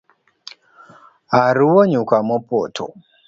Aruwo nyuka mopoto